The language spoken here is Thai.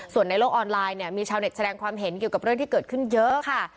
ส่วนในโลกออนไลน์เนี่ยมีชาวเน็ตแสดงความเห็นเกี่ยวกับเรื่องที่เกิดขึ้นเยอะค่ะ